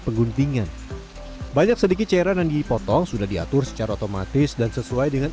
pengguntingan banyak sedikit cairan yang dipotong sudah diatur secara otomatis dan sesuai dengan